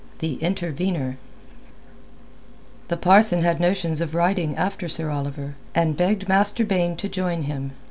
THE INTERVENER The parson had notions of riding after Sir Oliver, and begged Master Baine to join him.